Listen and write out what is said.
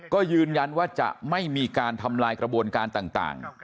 ก็ยืนยันว่าจะไม่มีการทำลายกระบวนการต่าง